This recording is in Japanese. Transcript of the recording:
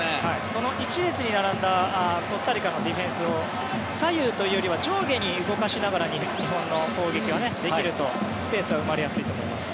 その１列に並んだコスタリカのディフェンスを左右というよりは上下に動かしながら日本の攻撃はできるとスペースが生まれやすいと思います。